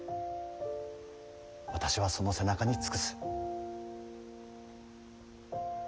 私はその背中に尽くす。